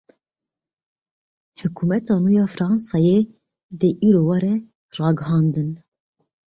Hikûmeta nû ya Fransayê dê îro were ragihandin.